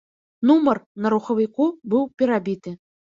Нумар на рухавіку быў перабіты.